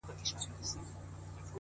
• کرونا جدی وګڼی,,!